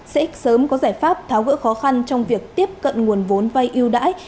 sẽ sớm có giải pháp tháo gỡ khó khăn trong việc tiếp cận nguồn vốn vay ưu đãi